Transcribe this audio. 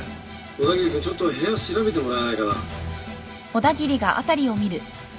小田切君ちょっと部屋調べてもらえないかな？